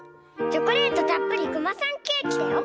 チョコレートたっぷりクマさんケーキだよ！